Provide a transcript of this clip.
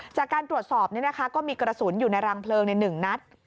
จากการตรวจสอบนี้ก็มีกระสุนอยู่ในรางเผลงในหนึ่งนัด